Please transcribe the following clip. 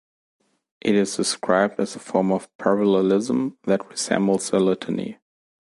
It is described as a form of parallelism that resembles a litany.